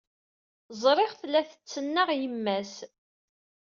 Ẓriɣ-t la t-tettnaɣ yemma-s.